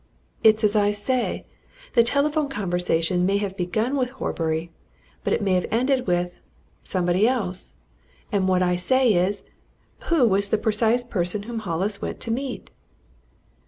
It's as I say the telephone conversation may have begun with Horbury, but it may have ended with somebody else. And what I say is who was the precise person whom Hollis went to meet?"